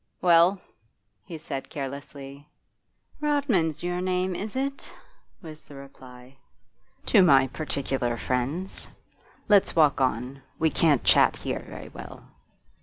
'Well?' he said, carelessly. 'Rodman's your name, is it?' was the reply. 'To my particular friends. Let's walk on; we can't chat here very well.